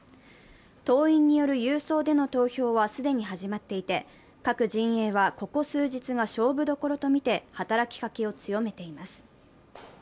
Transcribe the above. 党員による郵送での投票は既に始まっていて各陣営はここ数日が勝負どころとみて働きかけを強めています。